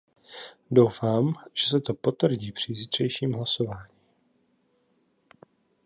Doufám, že se to potvrdí při zítřejším hlasování.